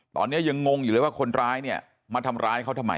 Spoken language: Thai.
ตอนนี้ยังงงอยู่เลยว่าคนร้ายเนี่ยมาทำร้ายเขาทำไม